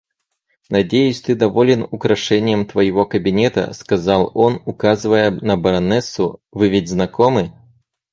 Надеюсь, ты доволен украшением твоего кабинета, — сказал он, указывая на баронессу.— Вы ведь знакомы?